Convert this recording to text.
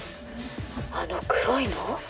あの黒いの？